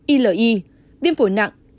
ile viêm phổi nặng